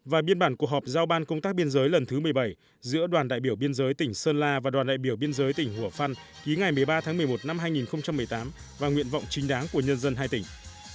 và biên bản cuộc họp giao ban công tác biên giới lần thứ một mươi bảy giữa đoàn đại biểu biên giới tỉnh sơn la và đoàn đại biểu biên giới tỉnh hùa phan ký ngày một mươi ba tháng một mươi một năm hai nghìn một mươi tám và nguyện vọng chính đáng của nhân dân hai tỉnh